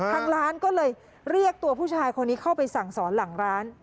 ทางร้านก็เลยเรียกตัวผู้ชายคนนี้เข้าไปสั่งสอนหลังร้าน